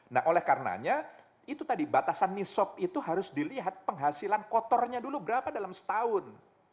nah oleh karenanya itu tadi batasan nisob itu harus dilihat penghasilan kotornya dulu berapa dalam setahun